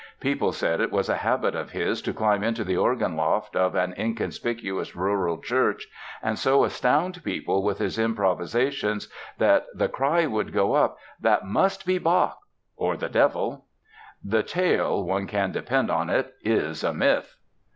People said it was a habit of his to climb into the organ loft of an inconspicuous rural church and so astound people with his improvisations that the cry would go up: "That must be Bach or the Devil!" The tale, one can depend on it, is a myth.